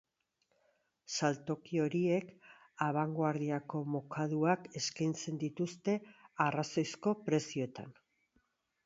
Saltoki horiek abangoardiako mokaduak eskaintzen dituzte arrazoizko prezioetan.